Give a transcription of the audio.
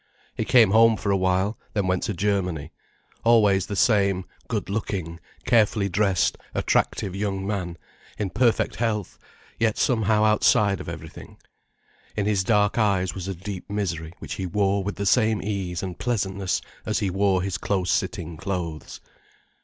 He came home for a while, then went to Germany; always the same good looking, carefully dressed, attractive young man, in perfect health, yet somehow outside of everything. In his dark eyes was a deep misery which he wore with the same ease and pleasantness as he wore his close sitting clothes.